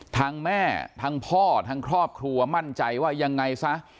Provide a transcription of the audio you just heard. ทั้งแม่ทั้งพ่อทั้งครอบครัวมั่นใจว่ายังไงซะ